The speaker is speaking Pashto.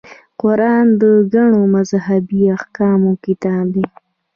قران د ګڼو مذهبي احکامو کتاب دی.